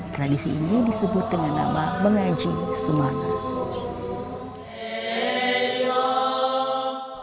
tradisi ini disebut dengan nama mengaji semangat